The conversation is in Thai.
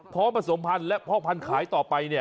เพราะผสมพันธ์และพ่อพันธุ์ขายต่อไป